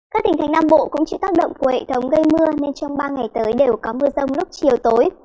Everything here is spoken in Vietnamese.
các tỉnh thành nam bộ cũng chịu tác động của hệ thống gây mưa nên trong ba ngày tới đều có mưa rông lúc chiều tối